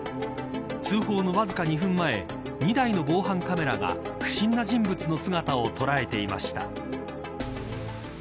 通報のわずか２分前２台の防犯カメラが不審な人物の姿を捉えていました。